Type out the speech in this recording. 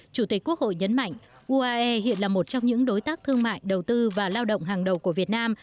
chủ tịch quốc hội nhấn mạnh uae hiện là một trong những đối tác thương mại đầu tư và lao động hàng đầu của việt nam